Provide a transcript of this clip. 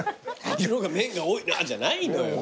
麺が多いなじゃないのよ。